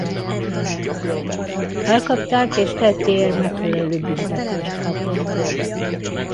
Elkapták és tettéért megfelelő büntetést kapott.